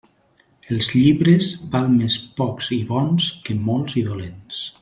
Els llibres, val més pocs i bons que molts i dolents.